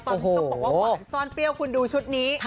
ตอนนี้ต้องบอกว่าหวานซ่อนเปรี้ยวคุณดูชุดนี้